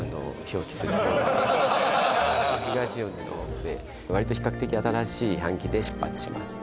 ここは割と比較的新しい搬器で出発します